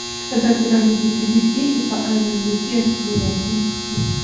ازادي راډیو د طبیعي پېښې په اړه د امنیتي اندېښنو یادونه کړې.